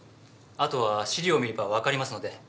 あとは資料を見れば分かりますので。